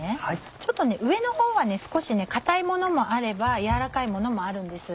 ちょっと上のほうは少し硬いものもあれば軟らかいものもあるんです。